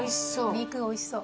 リークーおいしそう。